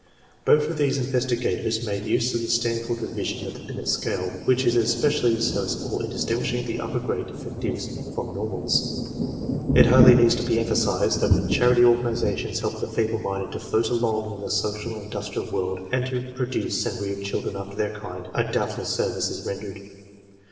Both of these investigators made use of the Stanford revision of the IJinct scale, which is especially serviceable in distinguishing the upper grade defectives from normals, It hardly needs to be emphasized that when charity organizations help the feeble minded to float along in the social and industrial world, and to produce and roar children after their kind, a doubtful service is rendered.